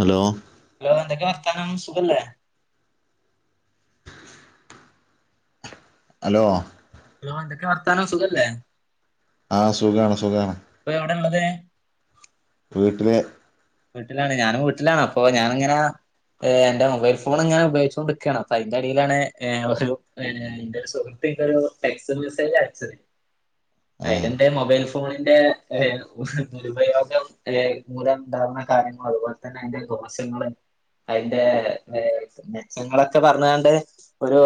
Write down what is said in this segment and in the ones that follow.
Hello hello എന്തൊക്കെ വർത്താനം സുഖല്ലേ ഹലോ ഹോ എന്തൊക്കെ വർത്താനം സുഖല്ലേ ആഹ സുഖമാണ് സുഖമാണ് എന്താ ഉള്ളത് വീട്ടിൽ വീട്ടിലാണ് ഞാനും വീട്ടിലാണ് അപ്പൊ ഞാാനിങ്ങനെ എന്റെ മൊബൈൽ ഫോൺ ഞാൻ ഉപയോഗിച്ചുകൊണ്ട് ഇരിക്കുകയാണ് അപ്പൊ അതിന്റെറെടിയിലാണ് ക്ല്ലക് [unintelligible] ആ ആയിലിന്റെ മൊബൈൽ ഫോണിന്റെ ദുരുപയോഗം ഉണ്ടാവുന്ന കാര്യങ്ങൾ അതുപോലെ തെ അതിന്റെ ദോസങ്ങള്ൾ അതിന്റെ മെച്ചങ്ങളൊക്കെ പറഞ്ഞതണ്ട് ഒരു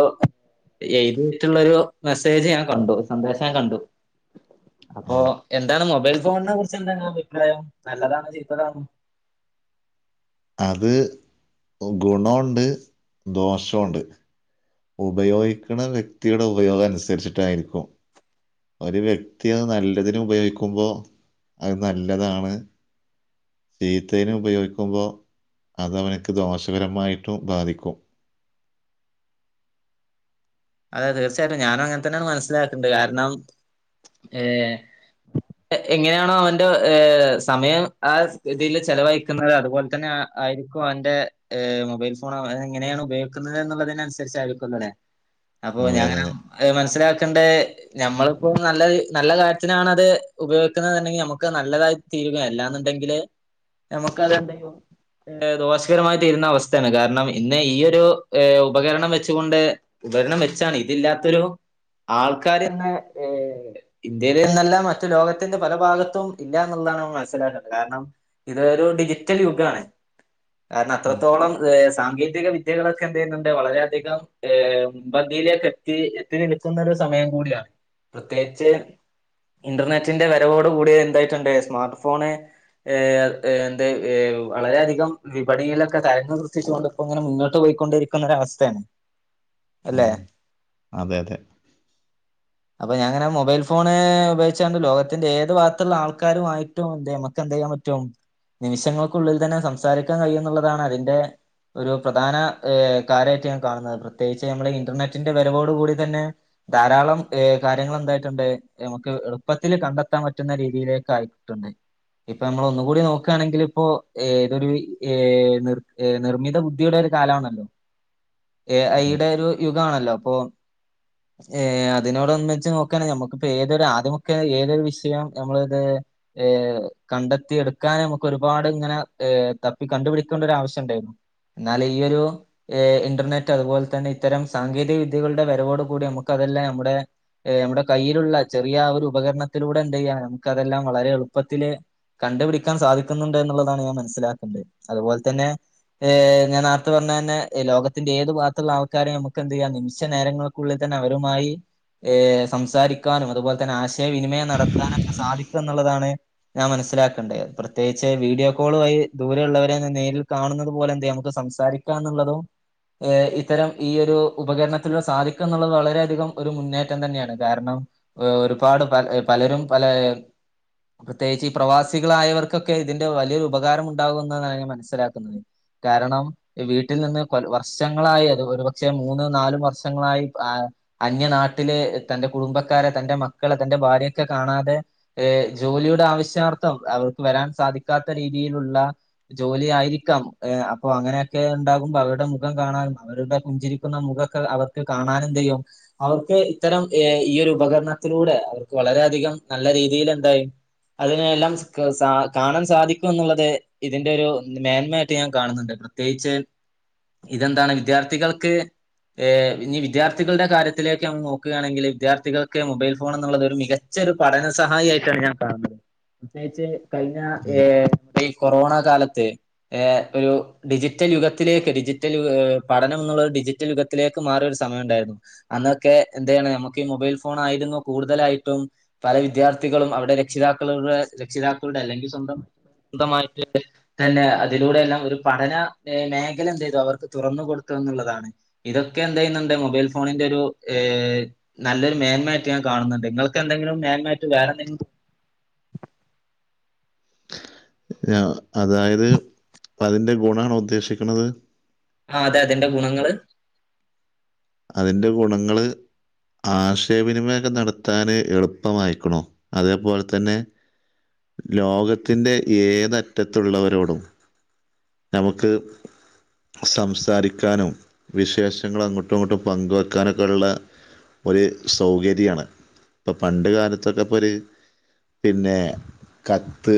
എഴുതിതിട്ടുള്ളൊരു മെസ്സേജ് ഞാൻ കണ്ടു സന്ദേശം ഞാൻ കണ്ടു അപ്പൊ ആ എന്താണ് മൊബൈൽ ഫോണിനെ കുറിച്ച് എന്തെ അഭിപ്രായം നല്ലതാണ് ചെയ് ഉത്തരം അത് ഗുണമുണ്ട് ദോഷമുണ്ട് ഉപയോഗിക്കുന്ന വ്യക്തിയുടെ ഉപയോഗ അനുസരിച്ചിട്ടായിരിക്കും ഒരു വ്യക്തി അത് നല്ലതിനു ഉപയോഗിക്കുമ്പോ അത് നല്ലതാണ് ചീത്തേനും ഉപയോഗിക്കുമ്പോ അത് അവനക്ക് ദോഷകരമായിട്ടും ബാധിക്കും അതെ തീർച്ചയായിട്ടും ഞാന അങ്ങനെ തന്നെയാണ് മനസ്സിലാക്കണ്ട് കാരണം ഏർ എങ്ങനെയാണോ അവന്റെ സമയം ആ രീതിൽ ചെലവഴിക്കുന്നത് അതുപോലെ തന്നെ ആ ആയിരിക്കും അന്റെ മൊബൈൽ ഫോൺ എങ്ങനെയാണ് ഉപയോഗിക്കുന്നത് എന്നുള്ളതിന അനുസരിച്ചായിരിക്കുംല്ലോ അല്ലെ അപ്പൊ അതെ ഞാൻ അതെ അതെ മനസ്സിലാക്ക നഞമ്മളിപ്പോ നല്ല നല്ല കാര്യത്തിനണത് ഉപയോഗിക്കുന്നത്ണ്ടെങ്കിൽ നമമ്മുക്ക് നല്ലത എല്ലാന്നുണ്ടെങ്കില് നമുക്ക് അതണ്ട് ഏ ദോഷകരമായി തീരുന്ന അവസ്ഥയാണ് കാരണം ഇന്ന് ഈയൊ ഒരു ഉപകരണം വെച്ചുകൊണ്ട് ഉപകരണം വെച്ചാണ് ഇതില്ലാത്തൊരു ആൾക്കാർ എന്ന ഏ ഇന്ത്യയിൽ നിന്നല്ല മറ്റു ലോകത്തിന്റെ പല ഭാഗത്തും ഇന്ത്യ എന്നുള്ളതാണ് ന മനസ്സിലാക്കുന്നത് കാരണം ഇത് ഒരു ഡിജിറ്റൽ യുഗമാണ് കാരണം ഉം അത്രത്തോളം ഏ സാങ്കേതിക വിദ്യകളൊക്കെ എന്ത ചെയ്യുന്നുണ്ട് വളരെയധികം ഏ മുൻപന്തിയിലേക്കെ എത്തി എത്തി നിൽക്കുന്ന ഒരു സമയം കൂടിയാണ് പ്രത്യേകിച്ച് ഇന്റർനെറ്റിന്റെ വരവോട് കൂടിയ എന്തായിട്ടുണ്ട് സ്മാർട്ട് ഫോണ് എന്ത വളരെയധികം വിപണിയിലൊക്കെ കരന്ന് സൃഷ്ടിച്ചുകൊണ്ട്പ്പോ ഇങ്ങനെ മുന്നോട്ട് പോയി കൊണ്ടിരിക്കുന്ന ഒ അവസ്ഥയാണ് ഉം അല്ലെ അതെ അതെ അപ്പൊ ഞങ്ങനെ മൊബൈൽ ഫോണ് ഉപയോഗിച്ചാണ്ട് ലോകത്തിന്റെ ഏത് ഭാഗത്തുള്ള ആൾക്കാരുമായിട്ടും എക്കെ ൻറ്റും നിമിഷങ്ങൾക്കുള്ളിൽ തന്നെ സംസാരിക്കാൻ കഴിയും എന്നുള്ളതാണ് അതിറെ ഒരു പ്രധാന ് കാര്യമായിട്ട ൻ കാണുന്നത് പ്രത്യേകിച്ച് നമ്മൾ ഇന്റർനെറ്റിന്റെ വരവോടു കൂടി തന്നെ ധാരാളം ഹ് കാര്യങ്ങൾ എന്തായിട്ടുണ്ട് നമുക്ക് എളുപ്പത്തില്ൽ കണ്ടെത്താൻ പറ്റുന്ന രീതിയിലേക്ക് ആയിക്കിട്ടുണ്ട് ഇപ്പൊ നമ്മള ഒന്നുകൂടി നോക്കുകയാണെങ്കിൽ ഇപ്പോൊ തൊരു നി നിർമ്മിത ബുദ്ധിയുടെ കാലമാണല്ലോ ഉം ഈടെ ഒരു യുഗമാണല്ലോ അപ്പൊ ഏ അതിനോട്ന്ന വച്ച് നോക്കുകയാണ നമുക്കിപ്പോ ഏതൊരു ആദ്യമുഖ ഏതൊരു വിഷയം നമ്മൾ ഇത് ഏർ കണ്ടെത്തിയ എടുക്കാൻ നമുക്കൊ ഒരുപാട് ഇങ്ങനെ തപ്പി കണ്ടുപിടിക്കേണ്ട ഒരു ആവശ്യംുണ്ടായിരുന്നു എന്നാല ഈ ഒരു ഇന്റർനെറ്റ് അതുപോലെ തന്നെ ഇത്തരം സാങ്കേതിക വിദ്യകളുടെ വരവോട് കൂടി നമു അതല്ലേ നമ്മുടെ നമ്മുടെ കയ്യിലുള്ള ചെറിയ ഒരു ഉപകരണത്തിലൂടെ എന്ത ചെയ്യാ നമുക്ക്തെല്ലാം വളരെ എളുപ്പത്തില് കണ്ടുപിടിക്കാൻ സാധിക്കുന്നുണ്ട് എന്നുള്ളതാണ് ഞാൻ മനസ്സിലാക്കേണ്ടുന്നത് അതുപോലെ തന്നെ ഏഹ ഞാ നേർത്തെ പറഞ്ഞ തന്നെ ലോകത്തിന്റെ ഏത് ഭാർത്ത കാര്യം നമുക്ക എന്ത് ചെയ്യാം നിമിഷ നേരങ്ങൾക്കുള്ളിൽ തന്നെ അവരുമായി ഏ സംസാരിക്കാനും അതുപോലെ തന്നെ ആശയവിനിമയം നടത്താനൊക്കെ സാധിക്കും എന്നുള്ളതാണ് ഞാൻ മനസ്സിലാക്കേണ്ടത് പ്രത്യേകിച്ച് വീഡിയോ കോൾ വഴ ദൂരെയുള്ളവരെ നേരിൽ കാണ പോലെ നമു സംസാരിക്കാ എന്നുള്ളത ഇത്തരം ഈ ഒരു ഉപകരണത്തിലൂടെ സാധിക്കും എന്നുള്ളത് വളരെയധികം ഒരു മുന്നേറ്റം തന്നെയാണ് കാരണം ഒരുപാട് പല പലരും പല പ്രത്യേകിച്ച് ഈ പ്രവാസികളായവർക്കൊക്കെ ഇതിന്റെ വലിയൊരു ഉപകാരം ഉണ്ടാകുമ എന്നാണ് ൻ മനസ്സിലാക്കുന്നത് കാരണം വീട്ടിൽ നിന്ന് കൊ വർഷങ്ങളായ ഒരുപക്ഷെ മൂന്ന നാലും വർഷങ്ങളായി അന്യ നാട്ടില് തന്റെ കുടുംബക്കാരെ തന്റെ മക്ക അന്റെ ഭാര്യൊക്കെ കാണാതെ ജോലിയുടെ ആവശ്യാർത്ഥം അവർക്ക് വരാൻ സാധിക്കാത്ത രീതി രീതിയിലുള്ള ജോലി ആയിരിക്കാം ഏഹ് അപ്പൊ അങ്ങനെയൊക്കെ ഇണ്ടാകുമ്പോ അവരുടെ മുഖം കാണാനും. അവരുടെ പുഞ്ചിരിക്കുന്ന മുഖൊക്കെ അവർക്ക് കാണാനും ചെയ്യും അവർക്ക് ഇത്തരം ഏ ഈയരു ഉപകരണ ത്തിലൂടെ അവർക്ക് വളരെയധികം നല്ല രീതിയിൽ എന്തായി അതിനെല്ലാം സ് ക സ കാണാൻ സാധിക്കും എന്നുള്ളത് ഇതിന്റെ ഒരു മേന്മയട്ട് ഞാൻ കാണുന്നുണ്ട്. പ്രത്യേകിച്ച് ഇതെന്താണ് വിദ്യാർത്ഥികൾക്ക്. ഏഹ് ഇനി വിദ്യാർത്ഥികളുടെ കാര്യത്തിലേക്ക് നമ്മള് നോക്കുകയാണെങ്കിൽ വിദ്യാർത്ഥികൾക്ക് മൊബൈൽ ഫോൺ എന്നുള്ളത് ഒരു മികച്ച ഒരു പഠന സഹായി ആയിട്ടാണ് ഞാൻ കാണുന്നത് പ്രത്യേകിച്ച് കഴിഞ്ഞ ഏഹ് ഈ കൊറോണ. കാലത്ത് ഏഹ് ഒരു ഡിജിറ്റൽ യുഗത്തിലേക്ക് ഡിജിറ്റൽ ഏഹ്. പഠനം എന്നുള്ളത് ഡിജിറ്റൽ യുഗത്തിലേക്ക് മാറിയൊരു സമയണ്ടായിരുന്നു അന്നൊക്കെ എന്താണ് നമുക്ക് ഈ മൊബൈൽ ഫോൺ ആയത്. ഇന്ന് കൂടുതലായിട്ടും പല വിദ്യാർത്ഥികളുംഅവർടെ രക്ഷിതാക്കളുടെ രക്ഷിതാക്കളുടെ അല്ലെങ്കിൽ സ്വന്തം. സ്വന്തമായിട്ട് തന്നെ അതിലൂടെ എല്ലാം ഒരു പഠന മേഖല എന്ത് ചെയ്യ്തു അവർക്ക് തുറന്ന് കൊടു കൊടുത്തുന്നുള്ളതാണ് ഇതൊക്കെ എന്തേ ചെയ്യുന്നുണ്ട് മൊബൈൽ ഫോണിന്റെ ഒരു ഏഹ് നല്ലൊരു മെൻമായായിട്ട് ഞാൻ കാണുന്നത് നിങ്ങൾക്ക് എന്തെങ്കിലും മേന്മായിട്ട് വേറെന്തെങ്കിലും തോ ആഹ് അതായത് അതിന്റെ ഗുണണോ ഉദ്ദേശിക്കണത്. ആ അതെ അതിന്റെ ഗുണങ്ങള്. അതിന്റെ ഗുണങ്ങള്. ആശയവിനിമയൊക്കെ നടത്താന് എളുപ്പമായിക്ക്ണു അതേപോലെ തന്നെ. ലോകത്തിന്റെ ഏത് അറ്റത്തുള്ളവരോടും. നമുക്ക് സംസാരിക്കാനും വിശേഷങ്ങള് അങ്ങോട്ട് ഒട്ടുമങ്ങോട്ടും പങ്ക് വയ്ക്കാനൊക്കെയുള്ള ഒര് സൗകര്യാണ് ഇപ്പൊ പണ്ട് കാലത്തൊക്കെ ഇപ്പൊ ഒര്. പിന്നെ കത്ത്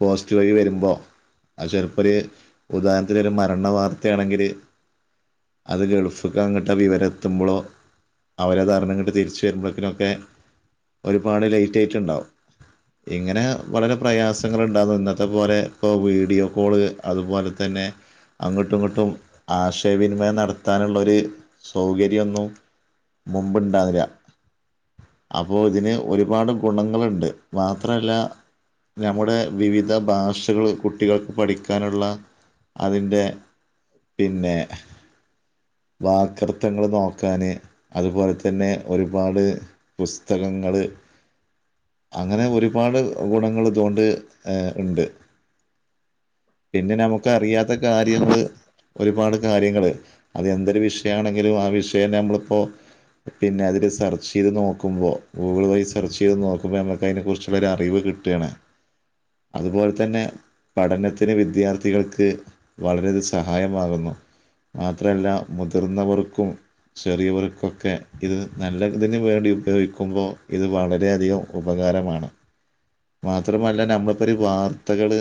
പോസ്റ്റ് വഴി വരുമ്പോ. അത് ചെലപ്പോരു ഉദാഹരണത്തിലൊരു മരണ വാർത്തയാണെങ്കില് അത് കേൾക്കും. ഉഫുക്ക അങ്ങോട്ട് വിവര എത്തുമ്പോളോ അവര് അതറിഞ്ഞു കൊണ്ട് തിരിച്ചു വരുമ്പോത്തിനൊക്കെ. ഒരുപാട് ലൈറ്റ് ആയിട്ടിണ്ടാവും. ഇങ്ങനെ വളരെ പ്രയാസങ്ങളിണ്ടാകുന്നത് പോലെ ഇപ്പൊ വീഡിയോ കോള് അതുപോലെ തന്നെ. അങ്ങോട്ടും ഇങ്ങോട്ടും ആശയവിനിമയം നടത്താനുള്ളൊ സൗകര്യോന്നും മുമ്പിണ്ടായിന്നില്ല അപ്പൊ ഇതിന് ഒരുപാട് ഗുണങ്ങളുണ്ട് മാത്ര അല്ല. നമ്മുടെ വിവിധ ഭാഷകള് കുട്ടികൾക്ക് പഠിക്കാനുള്ള. അതിന്റെ പിന്നെ. വാക്കൃത്തങ്ങള് നോക്കാന്, അതുപോലെ തന്നെ ഒരുപാട് പുസ്തകങ്ങള്, [inaudible] അങ്ങനെ ഒരുപാട് ഗുണങ്ങൾ ഇതുകൊണ്ട് ഏഹ് ഇണ്ട്. പിന്നെ നമുക്ക് അറിയാത്ത കാര്യങ്ങള് ഒരുപാട് കാര്യങ്ങള്. അതെന്തൊരു വിഷയാണെങ്കിലും ആ വിഷയം നമ്മളിപ്പോ. പിന്നെ അതില് സെർച്ച് ചെയ്ത് നോക്കുമ്പോ ഗൂഗിൾ വഴി സെർച്ച് ചെയ്ത് നോക്കുമ്പോ നമുക്ക് അയിനെ കുറിച്ചുള്ളോരറിവ്. കിട്ടാണ് അതുപോലെ തന്നെ പഠനത്തിന് വിദ്യാർത്ഥികൾക്ക് വളരെയിത് സഹായമാകുന്നു ആഹ്. മാത്ര അല്ല മുതിർന്നവർക്കും. ചെറിയവർക്കൊക്കെ ഇത് നല്ലതിന് വേണ്ടി ഉപയോഗിക്കുമ്പോ ഇത് വളരെയധികം ഉപകാര ഉപകാരമാണ് മാത്രമല്ല നമ്മളിപ്പോരു വാർത്തകള്.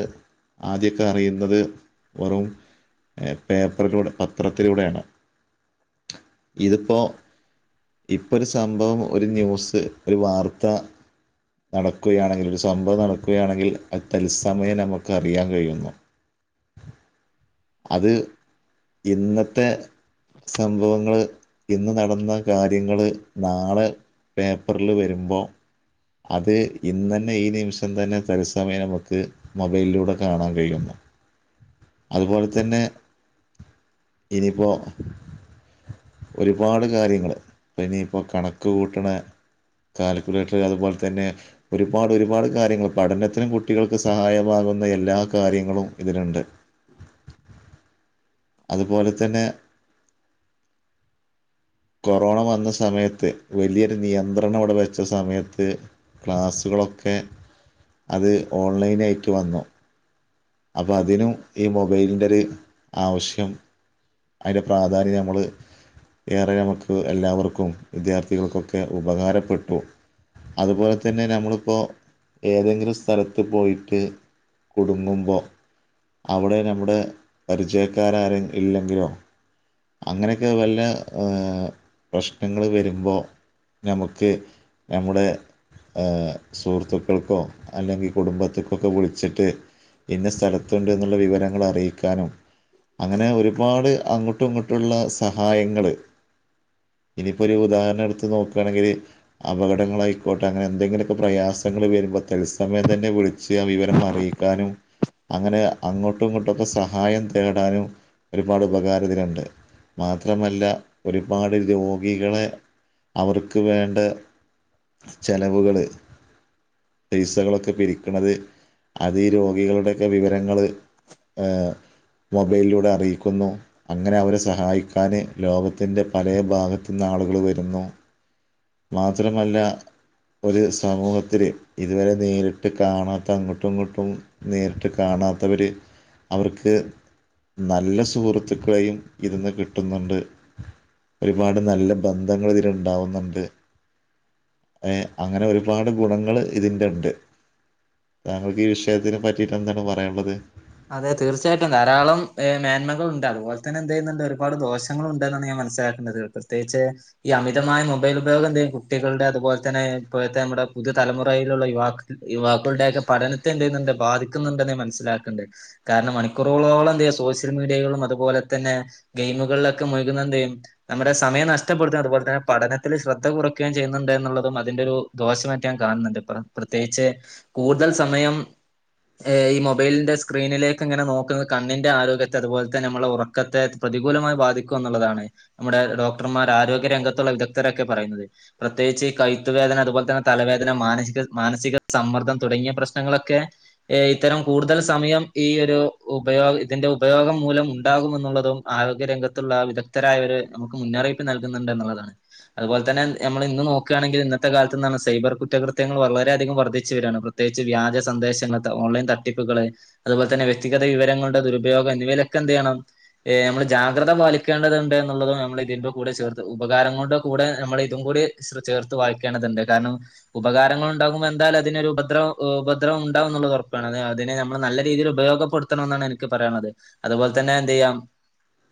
ആദ്യൊക്കെ അറിയുന്നത് വെറും ഏ പേപ്പറിലൂടെ പത്രത്തിലൂടെയാണ് ഇതിപ്പോ ഇപ്പൊരു സംഭവം, ഒരു ന്യൂസ്, ഒരു വാർത്ത, നടക്കുകയാണെങ്കിൽ ഒരു സംഭവം നടക്കുകയാണെങ്കിൽ അത് തത്സമയം നമുക്ക് അറിയാൻ കഴിയുന്നു. [inaudible] അത് ഇന്നത്തെ സംഭവങ്ങള് ഇന്ന് നടന്ന കാര്യങ്ങള് നാളെ പേപ്പറില് വരുമ്പോ അത് ഇന്നന്നെ ഈ നിമിഷം തന്നെ തത്സമയം നമ്മക്ക് മൊബൈലിലൂടെ കാണാൻ കഴിയുന്നു. [inaudible] അതുപോലെ തന്നെ ഇനിയിപ്പൊ ഒരുപാട് കാര്യങ്ങള് ഇനിയിപ്പൊ കണക്ക് കൂട്ട്ണ കാൽക്കുലേറ്റർ അത് പോലെ തന്നെ ഒരുപാട് ഒരുപാട് കാര്യങ്ങൾ പഠനത്തിനും കുട്ടികൾക്ക് സഹായമാകുന്ന എല്ലാ കാര്യങ്ങളും ഇതില്ണ്ട് അതുപോലെ തന്നെ കൊറോണ വന്ന സമയത്ത് വലിയൊരു നിയന്ത്രണം ഇവിടെ വച്ച സമയത്ത് ക്ലാസ്സ് കളൊക്കെ അത് ഓൺലൈനായിട്ട് വന്നു അപ്പൊ അതിനും ഈ മൊബൈലിന്റെ ഒരു ആവശ്യം അതിന്റെ പ്രാധാന്യം നമ്മള് ഏറെ നമുക്ക് എല്ലാവർക്കും വിദ്യാർത്ഥികൾക്കൊക്കെ ഉപകാരപ്പെട്ടു അതുപോലെ തന്നെ നമ്മളിപ്പൊ ഏതെങ്കിലും സ്ഥലത്ത് പോയിട്ട് കുടുങ്ങുമ്പൊ അവിടെ നമ്മുടെ പരിചയക്കാര് ആരെ ഇല്ലെങ്കിലോ [inaudible] അങ്ങനെയൊക്കെ വല്ല പ്രശ്നങ്ങള് വരുമ്പോ നമുക്ക് നമ്മുടെ ഏഹ് സുഹൃത്തുക്കൾക്കോ അല്ലെങ്കിൽ കുടുംബത്തിക്കൊക്കെ വിളിച്ചിട്ട് ഇന്ന സ്ഥലത്തുണ്ട് എന്നുള്ള വിവരങ്ങള് അറിയിക്കാനും അങ്ങനെ ഒരുപാട് അങ്ങട്ടും ഇങ്ങട്ടുള്ള സഹായങ്ങള് [inaudible] ഇനിയിപ്പോ ഒരു ഉദാഹരണം എടുത്ത് നോക്കാണെങ്കില് അപകടങ്ങളായിക്കോട്ടെ അങ്ങനെ എന്തെങ്കിലുമൊക്കെ പ്രയാസങ്ങൾ വരുമ്പോ അപ്പൊ തൽസമയം തന്നെ വിളിച്ച് ആ വിവരം അറിയിക്കാനും അങ്ങനെ അങ്ങോട്ടും ഇങ്ങോട്ടക്കെ സഹായം തേടാനും ഒരുപാട് ഉപകാരതിനുണ്ട്. മാത്രമല്ല ഒരുപാട് രോഗികളെ അവർക്ക് വേണ്ട ചെലവുകള് പൈസകളൊക്കെ പിരിക്കണത് അതീ രോഗികളുടെയൊക്കെ വിവരങ്ങള് ഏഹ് മൊബൈലിലൂടെ അറിയിക്കുന്നു അങ്ങനെ അവരെ സഹായിക്കാന് ലോകത്തിന്റെ പലേ ഭാഗത്തുന്ന് ആളുകള് വരുന്നു മാത്രമല്ല ഒരു സമൂഹത്തില് ഇതുവരെ നേരിട്ട് കാണാത്ത അങ്ങട്ടും ഇങ്ങട്ടും നേരിട്ട് കാണാ കാണാത്തവര് അവർക്ക് നല്ല സുഹൃ ത്തുക്കളെയും ഇതിന്ന് കിട്ടുന്നുണ്ട് ഒരുപാട് നല്ല ബന്ധങ്ങൾ ഇതിലുണ്ടാവുന്നുണ്ട് ഏഹ് അങ്ങനെ ഒരുപാട് ഗുണങ്ങള് ഇതിന്റെണ്ട് താങ്കൾക്ക് ഈ വിഷയത്തിനെ പറ്റിട്ട് എന്താണ് പറയാനുള്ളത് അതെ തീർച്ചയായിട്ടും ധാരളം ഏ മേന്മകളുണ്ട് അതുപോലെ തന്നെ എന്ത് ചെയ്യുന്നുണ്ട് ഒരുപാട് ദോഷങ്ങളുണ്ട് എന്നാണ് മനസ്സിലാക്കണ്ടത്. പ്രത്യേകിച്ച് ഈ അമിതമായ മൊബൈൽ ഉപയോഗം എന്തിയ്യും കുട്ടികളുടെ അതുപോലെ തന്നെ ഇപ്പോഴത്തെ നമ്മുടെ പുതിയ തലമുറയിലുള്ള യുവാ യുവാക്കളുടെയൊക്കെ പഠനത്തെ എന്ത് ചെയ്യുന്നുണ്ട് ബാധിക്കുന്നുണ്ടെന്ന് ഞാൻ മനസ്സിലാക്ക്ണ്ട് കാരണം മണിക്കൂറുകളോളം എന്ത ചെയ്യ സോഷ്യൽ മീഡിയകളും അതുപോലെ തന്നെ ഗെയിമുകളിലൊക്കെ മുഴുകുന്ന എന്തയ്യും നമ്മുടെ സമയം നഷ്ടപ്പെടുത്തയും അതുപോലെ തന്നെ പഠനത്തിൽ ശ്രദ്ധ കുറക്കുകയും ചെയ്യുന്നുണ്ട് എന്നുള്ളതും അതിന്റെ ഒരു ദോഷ ഞാൻ കാണുന്നുണ്ട് പറ പ്രത്യേകിച്ച് കൂടുതൽ സമയം ഏഹ് മൊബൈലിന്റെ സ്ക്രീനിലേക്ക് ഇങ്ങനെ നോക്കുന്നത് കണ്ണിന്റെ ആരോഗ്യത്തെ അതുപോലെ തന്നെ നമ്മളെ ഉറക്കത്തെ പ്രതികൂലമായി ബാധിക്കും എന്നുള്ളതാണ് നമ്മുടെ ഡോക്ടർമാർ ആരോഗ്യ രംഗത്തുള്ള വിദഗ്ധരൊക്കെ പറയുന്നത് പ്രത്യേകിച്ച് ഈ കഴുത്ത് വേദന അതുപോലെ തന്നെ തലവേദന മാനസിക മാനസിക സമ്മർദ്ദം തുടങ്ങിയ പ്രശ്നങ്ങളൊക്കെ ഇത്തരം കൂടുതൽ സമയം ഈ ഒരു ഉപയോഗ ഇതിന്റെ ഉപയോഗം മൂലം ഉണ്ടാകുമെന്നുള്ളതും ആരോഗ്യരംഗത്തുള്ള വിദഗ്ധരായ നമുക്ക് മുന്നറിയിപ്പ് നൽകുന്നുണ്ട് എന്നുള്ളതാണ്. അതുപോലെ തന്നെ ഞമ്മള് ഇന്ന് നോക്കാണെങ്കിൽ ഇന്നത്തെ കാലത്ത് എന്ന് പറഞ്ഞ സൈബർ കുറ്റകൃത്യങ്ങൾ വളരെയധികം വർദ്ധിച്ചു വരാണ്. പ്രത്യേകിച്ച് വ്യാജ സന്ദേശങ്ങള് ഓൺലൈൻ തട്ടിപ്പുകള് അതുപോലെ തന്നെ വ്യക്തിഗത വിവരങ്ങളുടെ ദുരുപയോഗം എന്നിവയിലൊക്കെ എന്തിയ്യണം ഏഹ് നമ്മള് ജാഗത പാലിക്കേണ്ടതുണ്ട് എന്നുള്ളതും നമ്മൾ ഇതിന്റെറെ കൂടെ ചേർത്ത് ഉപകാരങ്ങളുടെ കൂടെ നമ്മൾ ഇതും കൂടി [unintelligible] ഇത് ചേർത്ത് വായിക്കേണ്ടതുണ്ട് കാരണം ഉപകാരങ്ങൾ ഉണ്ടാകുമ്പോ എന്തായാലും അതിനൊരു ഉപദ്രവം ഉപദ്രവം ഒരു ഉണ്ടാവെന്നുള്ളതുറപ്പാണ് അത് അതിന് നമ്മൾ നല്ല രീതിയിൽ ഉപയോഗപ്പെടുത്തണം എന്നാണ് എനിക്ക് പറയാനുള്ളത് അതുപോലെ തന്നെ എന്ത് ചെയ്യാം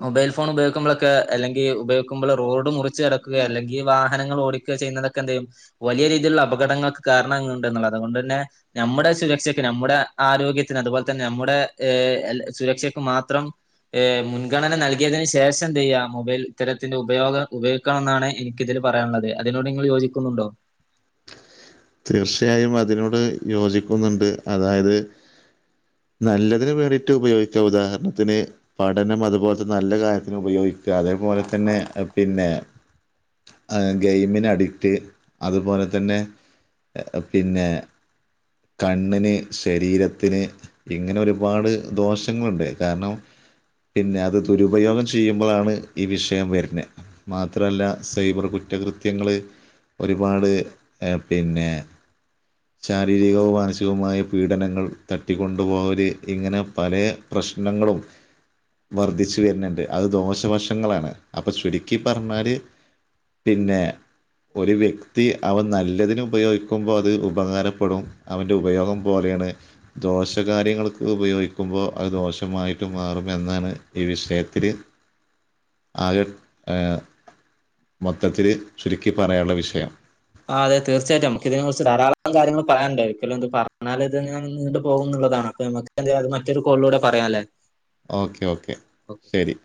മൊബൈൽ ഫോൺ ഉപയോഗിക്കുമ്പോളൊക്കെ അല്ലെങ്കിൽ ഉപയോഗിക്കുമ്പോൾ റോഡ് മുറിച്ച് കടക്കുക അല്ലെങ്കി വാഹനങ്ങൾ ഓടിക്കു ചെയ്യുന്നതൊക്കെ എന്തെയ്യും വലിയ രീതിയിലുള്ള അപകടങ്ങൾക്ക് കാരണങ്ങൾ ഉണ്ടെന്നുള്ളത് അതുകൊണ്ട് തന്നെ നമ്മുടെ സുരക്ഷയ്ക്ക് നമ്മ നമ്മുടെ ആരോഗ്യത്തിന് അതുപോലെ തന്നെ നമ്മുടെ ഏ സുരക്ഷക്ക് മാത്രം ഏ മുൻഗണന നൽകിയതിന് ശേഷം എന്തെയ്യ മൊബൈൽ ഇത്തരത്തിൽ ഉപയോഗം ഉപയോഗിക്കണം എന്നാണ് എനിക്കിതിൽ പറയാനുള്ളത് അതിനോട് നിങ്ങൾ യോജിക്കുന്നുണ്ടോ തീർച്ചയായും അതിനോട് യോജിക്കുന്നുണ്ട് അതായത് നല്ലതിന് വേണ്ടിയിട്ട് ഉപയോഗിച്ചോ ഉദാഹരണത്തിന് പഠനം അതുപോലത്തെ നല്ല കാര്യത്തിന് ഉപയോഗി അതേപോലെ തന്നെ പിന്നെ ഗെയിമിന് അഡിക്റ്റ് അതുപോലെ തന്നെ ഏ പിന്നെ കണ്ണിന് ശരീരത്തിന് ഇങ്ങനെ ഒരുപാട് ദോഷങ്ങളുണ്ട് കാരണം പിന്നെ അത് ദുരുപയോഗം ചെയ്യുമ്പോഴാണ് ഈ വിഷയം വരുന്നെ മാത്രല്ല സൈബർ കു കുറ്റകൃത്യങ്ങൾ ഒരുപാട് പിന്നെ ച ശാരീരികവും മാനസികവുമായ പീഡനങ്ങൾ തട്ടിക്കൊണ്ടുപോവല് ഇങ്ങനെ പലേ പ്രശ്നങ്ങളും വർധിച്ചു വരുന്നുണ്ട് അത് ദോഷവശങ്ങളാണ് അപ്പൊ ചുരുക്കി പറഞ്ഞാല് പിന്നെ ഒരു വ്യക്തി അവ നല്ലതിനു ഉപയോഗിക്കുമ്പോൾ അത് ഉപകാര പെടും അവൻ്റെ ഉപയോഗം പോലെയാണ് ദോഷകാര്യങ്ങൾക്ക് ഉപയോഗിക്കുമ്പോൾ അത് ദോഷമായി മാറുമെന്നാണ് ഈ വിഷയത്തില് ആകെ ഏ മൊത്തത്തില് ചുരുക്കി പറയാനുള്ള വിഷയം ആ അതെ തീർച്ചയായിട്ടും നമുക്ക് ഇതിനെ കുറിച്ച് ധാരാളം കാര്യങ്ങള് പറയാനുണ്ട് ഒരിക്കലും ഇത് പറഞ്ഞാല് ഇതിങ്ങനെ നീണ്ടു പോകോന്ന് ള്ളതാണ് അപ്പ നമുക്ക് അത് മറ്റൊരു കോളിലൂടെ പറയാല്ലേ ഓക്കെ ഓക്കെ ശരി